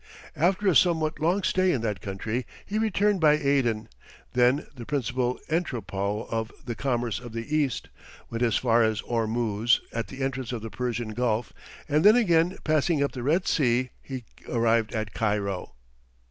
After a somewhat long stay in that country, he returned by Aden, then the principal entrepôt of the commerce of the east, went as far as Ormuz, at the entrance of the Persian Gulf, and then again passing up the Red Sea, he arrived at Cairo.